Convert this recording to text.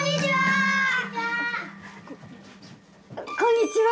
ここんにちは。